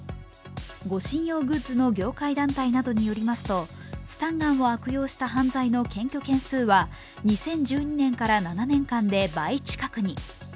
護身用グッズの業界団体などによりますと、スタンガンを悪用した犯罪の検挙件数は２０１２年から７年間で倍近くに。